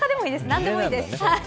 何でもいいです。